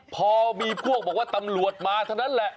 พอมีพวกบอกว่าตำรวจมาเท่านั้นแหละ